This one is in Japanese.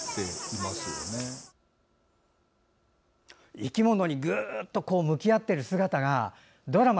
生き物にぐっと向き合ってる姿がドラマ